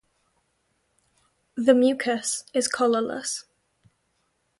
The mucus is colourless.